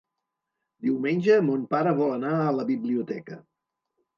Diumenge mon pare vol anar a la biblioteca.